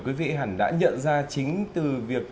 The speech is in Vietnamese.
quý vị hẳn đã nhận ra chính từ việc